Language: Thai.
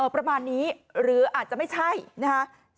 ประมาณนี้หรืออาจจะไม่ใช่นะคะ